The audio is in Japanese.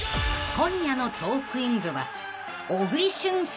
［今夜の『トークィーンズ』は］